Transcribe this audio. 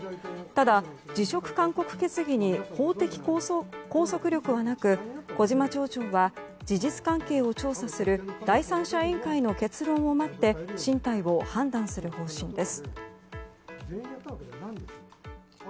ただ、辞職勧告決議に法的拘束力はなく小島町長は事実関係を調査する第三者委員会の結論を待って進退を判断する方針です。